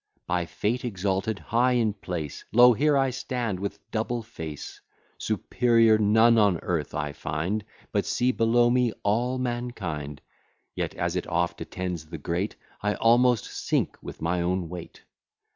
By fate exalted high in place, Lo, here I stand with double face: Superior none on earth I find; But see below me all mankind Yet, as it oft attends the great, I almost sink with my own weight.